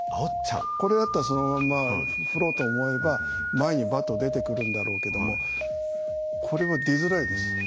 これだったらそのまんま振ろうと思えば前にバット出てくるんだろうけどもこれは出づらいです。